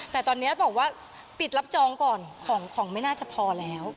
แต่ตอนนี้บอกว่าปิดรับจองก่อนของไม่น่าจะพอแล้ว